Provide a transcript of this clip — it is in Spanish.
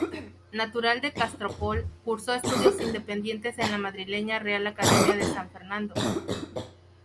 Natural de Castropol, cursó estudios independientes en la madrileña Real Academia de San Fernando.